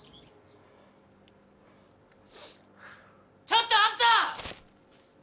ちょっとあんた！